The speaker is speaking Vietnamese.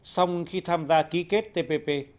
xong khi tham gia ký kết tpp